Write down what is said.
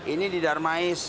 ini di darmais